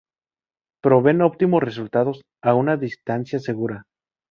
Proveen óptimos resultados a una distancia segura.